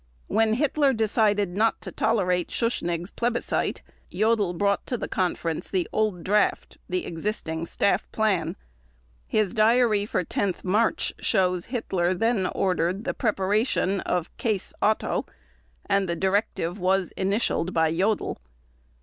When Hitler decided "not to tolerate" Schuschnigg's plebiscite, Jodl brought to the conference the "old draft", the existing staff plan. His diary for 10 March shows Hitler then ordered the preparation of "Case Otto", and the directive was initialed by Jodl.